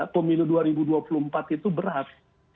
pemilu dua ribu dua puluh empat itu berat